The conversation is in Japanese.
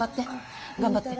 頑張って。